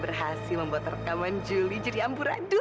terima kasih membuat rekaman juli jadi ambur adu